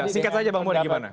singkat saja bang bu ada gimana